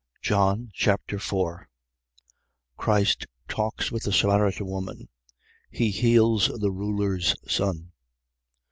John Chapter 4 Christ talks with the Samaritan woman. He heals the ruler's son.